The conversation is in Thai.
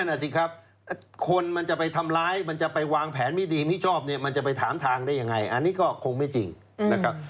นั่นน่ะสิครับคนมันจะไปทำร้ายมันจะไปวางแผนไม่ดีไม่ชอบเนี่ยมันจะไปถามทางได้ยังไงอันนี้ก็คงไม่จริงนะครับ